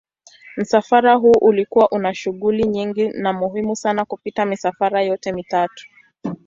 Msafara huu ulikuwa una shughuli nyingi na muhimu sana kupita misafara yote mitatu.